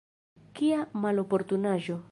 Kia maloportunaĵo!